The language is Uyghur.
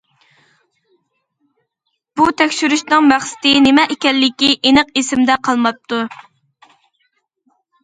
بۇ تەكشۈرۈشنىڭ مەقسىتى نېمە ئىكەنلىكى ئېنىق ئېسىمدە قالماپتۇ.